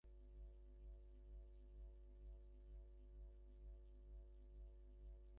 ধীরে ধীরে ছোটপর্দার জনপ্রিয় অভিনয়শিল্পী আনিসুর রহমান মিলন চলচ্চিত্রে ব্যস্ত হয়ে পড়ছেন।